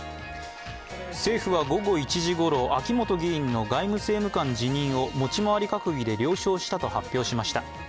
政府は午後１時ごろ秋本議員の外務政務官辞任を持ち回り閣議で了承したと発表しました。